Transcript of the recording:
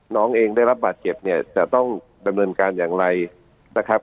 น้องเองได้รับบาดเจ็บเนี่ยจะต้องดำเนินการอย่างไรนะครับ